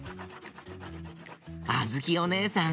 あづきおねえさん